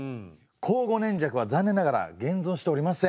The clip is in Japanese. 庚午年籍は残念ながら現存しておりません。